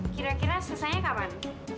kira kira selesainya kapan